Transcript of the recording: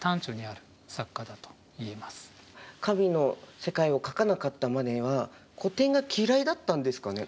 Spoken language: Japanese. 神の世界を描かなかったマネは古典が嫌いだったんですかね？